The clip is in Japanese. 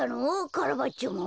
カラバッチョも？